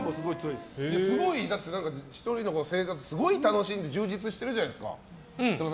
１人の生活すごい楽しんで充実してるじゃないですか。